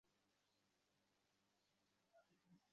সকলেই যখন ইতস্তত করছিল আমি নিজে গিয়ে কেটে নিয়ে এলুম।